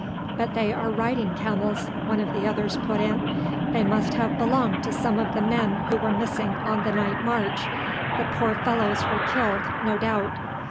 "But they are riding camels," one of the others put in; "they must have belonged to some of the men who were missing on the night march; the poor fellows were killed, no doubt."